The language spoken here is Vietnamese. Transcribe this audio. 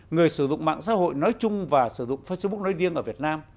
người sử dụng mạng xã hội nói chung và sử dụng facebook nói riêng ở việt nam